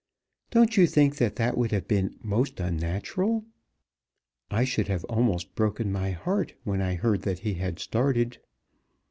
Don't you think that that would have been most unnatural? I should have almost broken my heart when I heard that he had started.